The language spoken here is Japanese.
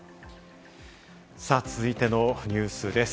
続いてのニュースです。